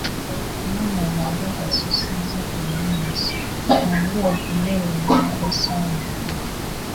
Omwana bw'aba asussizza emyezi , mwongere ku mmere endala esaanidde.